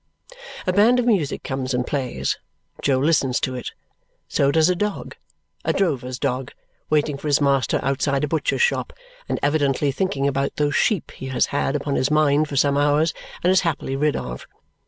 A band of music comes and plays. Jo listens to it. So does a dog a drover's dog, waiting for his master outside a butcher's shop, and evidently thinking about those sheep he has had upon his mind for some hours and is happily rid of.